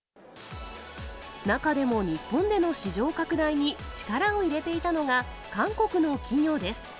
中でも日本での市場拡大に力を入れていたのが、韓国の企業です。